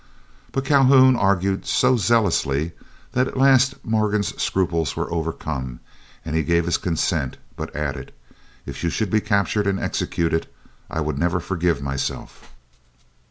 But Calhoun argued so zealously, that at last Morgan's scruples were overcome, and he gave his consent, but added, "If you should be captured and executed, I would never forgive myself."